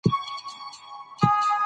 قانون باید پر ټولو یو شان تطبیق شي